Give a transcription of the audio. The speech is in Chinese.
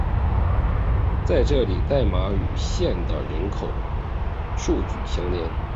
在这里代码与县的人口数据相连。